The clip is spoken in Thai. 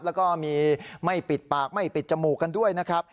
แล้วก็มีไม่ปิดปากไม่ปิดจมูกกันด้วยนะครับ